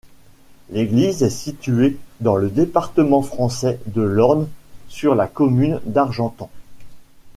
L'église est située dans le département français de l'Orne, sur la commune d'Argentan.